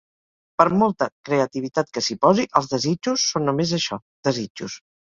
Per molta creativitat que s'hi posi, els desitjos son només això, desitjos.